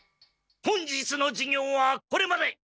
本日の授業はこれまで。